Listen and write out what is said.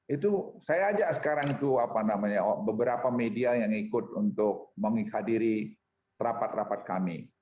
itu saya ajak sekarang itu apa namanya beberapa media yang ikut untuk menghadiri rapat rapat kami